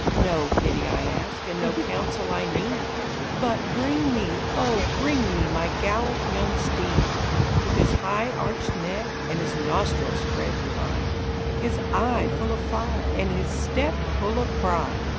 No pity I ask, and no counsel I need, But bring me, oh, bring me my gallant young steed, With his high arched neck, and his nostril spread wide, His eye full of fire, and his step full of pride